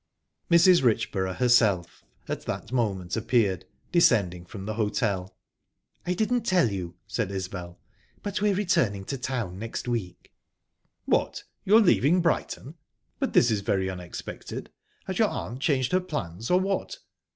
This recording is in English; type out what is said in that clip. Mrs. Richborough herself at that moment appeared, descending from the hotel. "I didn't tell you," said Isbel, "but we're returning to town next week." "What! You're leaving Brighton? But this is very unexpected. Has your aunt changed her plans, or what?"